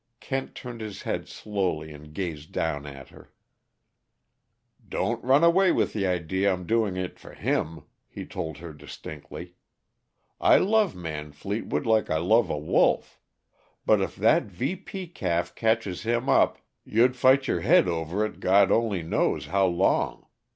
Kent turned his head slowly and gazed down at her. "Don't run away with the idea I'm doing it for him," he told her distinctly. "I love Man Fleetwood like I love a wolf. But if that VP calf catches him up, you'd fight your head over it, God only knows how long.